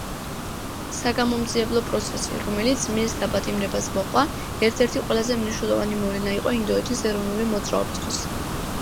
საგამომძიებლო პროცესი, რომელიც მის დაპატიმრებას მოჰყვა, ერთ-ერთი ყველაზე მნიშვნელოვანი მოვლენა იყო ინდოეთის ეროვნული მოძრაობისთვის.